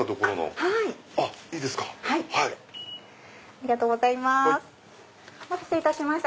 ありがとうございます。